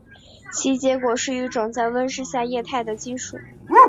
其结果是一种在室温下液态的金属。